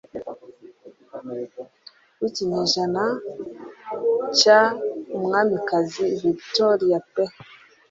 w'ikinyejana cya Umwamikazi Victoria pe